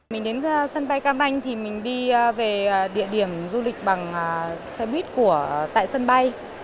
mình đến sân bay cam banh thì mình đi về địa điểm du lịch bằng xe buýt tại sân bay